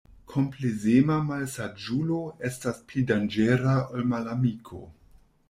Komplezema malsaĝulo estas pli danĝera ol malamiko.